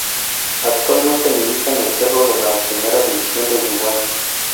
Actualmente milita en Cerro de la Primera División de Uruguay.